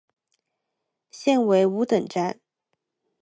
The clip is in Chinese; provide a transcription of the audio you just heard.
现为五等站。